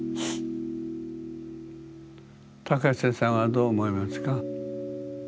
高瀬さんはどう思いますか？